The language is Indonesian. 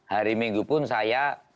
hari minggu pun saya